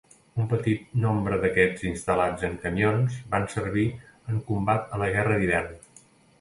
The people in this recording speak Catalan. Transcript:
Un petit nombre d'aquests instal·lats en camions van servir en combat a la Guerra d'Hivern.